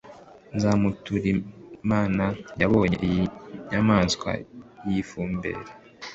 Nzamuturimana yabonye iyi nyamanswa y'Ifumberi